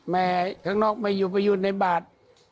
แม่ข้างนอกไม่อยู่ประยุณในบาด